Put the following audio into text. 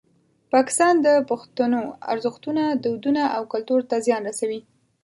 پاکستان د پښتنو ارزښتونه، دودونه او کلتور ته زیان رسوي.